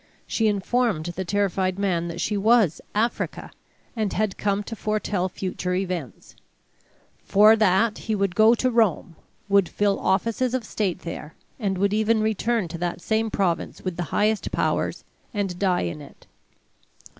She informed the terrified man that she was "Africa," and had come to foretell future events; for that he would go to Rome, would fill offices of state there, and would even return to that same province with the highest powers, and die in it.